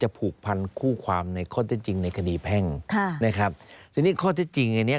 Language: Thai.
ผูกพันคู่ความในข้อเท็จจริงในคดีแพ่งค่ะนะครับทีนี้ข้อเท็จจริงอันเนี้ย